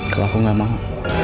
kalau aku gak mau